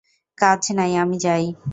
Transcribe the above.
কাজ নাই, আমি যাই।